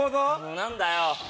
何だよ？